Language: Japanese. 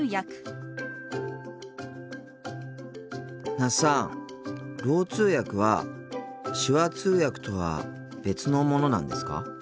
那須さんろう通訳は手話通訳とは別のものなんですか？